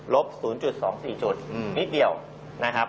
ลบ๐๒๔นิดเดียวนะครับ